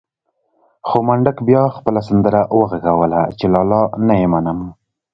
خو منډک بيا خپله سندره وغږوله چې لالا نه يې منم.